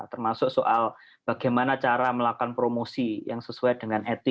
termasuk soal bagaimana cara melakukan promosi yang sesuai dengan etika promosi ya